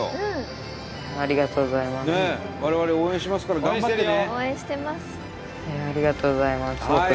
我々応援しますから頑張ってね。